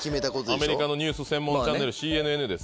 アメリカのニュース専門チャンネルＣＮＮです。